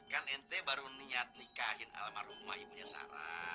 kan ente baru niat nikahin almarhumah